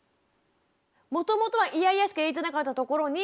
もともとはイヤイヤしか言えてなかったところに